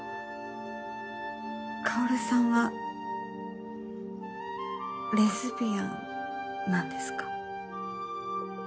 カオルさんはレズビアンなんですか？